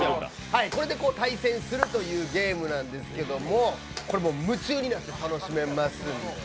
これで対戦するというゲームなんですけども、これもう夢中になって楽しめます。